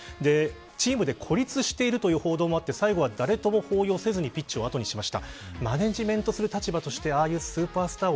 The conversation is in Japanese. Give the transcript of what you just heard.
チームで孤立しているという報道もあって最後は誰とも抱擁せずにピッチを後にしました。